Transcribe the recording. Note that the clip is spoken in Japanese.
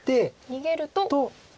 逃げると。